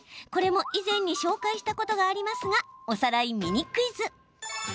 これも以前に紹介したことがありますが、おさらいミニクイズ。